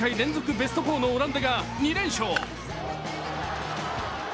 ベスト４のオランダが２連勝。